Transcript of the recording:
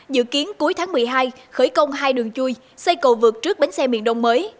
dự kiến cuối tháng một mươi hai khởi công hai đường chui xây cầu vượt trước bến xe miền đông mới